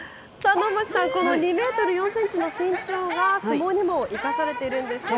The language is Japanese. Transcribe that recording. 能町さん、この２メートル４センチの身長が相撲にも生かされているんですよね。